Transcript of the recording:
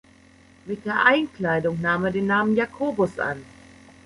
Mit der Einkleidung nahm er den Namen Jakobus an.